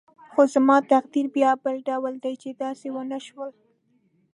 خو زما تقدیر بیا بل ډول دی چې داسې ونه شول.